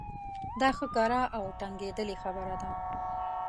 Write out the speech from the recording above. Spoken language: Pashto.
دا ښه کره او ټنګېدلې خبره ده.